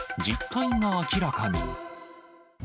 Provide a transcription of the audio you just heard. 実態が明らかに。